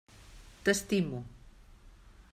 T'estimo.